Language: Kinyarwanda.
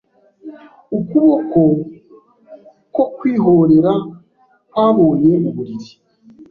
Ukuboko koKwihorera kwabonye uburiri